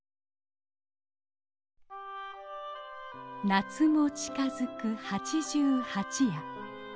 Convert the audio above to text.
夏も近づく八十八夜。